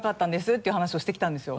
ていう話をしてきたんですよ。